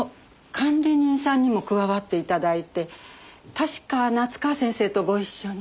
管理人さんにも加わって頂いて確か夏河先生とご一緒に。